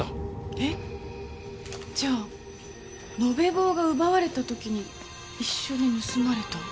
えっ？じゃあ延べ棒が奪われた時に一緒に盗まれた？